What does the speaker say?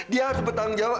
dia harus bertanggung jawab